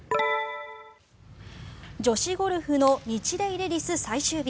女子ゴルフのニチレイレディス最終日。